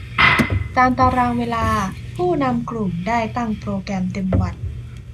ตามตารางเวลาผู้นำกลุ่มได้ตั้งโปรแกรมเต็มวัน